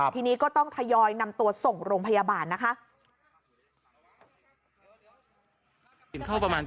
ทีนี้ก็ต้องทยอยนำตัวส่งโรงพยาบาลนะคะ